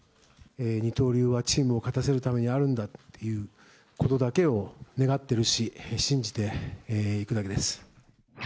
二刀流はチームを勝たせるためにあるんだということだけを願ってるし、信じていくだけです。